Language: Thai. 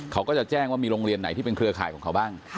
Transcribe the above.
เขาก็จะแจ้งว่ามีโรงเรียนไหนที่เป็นเครือข่ายของเขาบ้าง